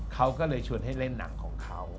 เขาก็เลยชวนให้เล่นหนังของเขา